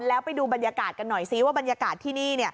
แล้วไปดูบรรยากาศกันหน่อยซิว่าบรรยากาศที่นี่